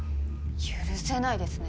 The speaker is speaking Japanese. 許せないですね。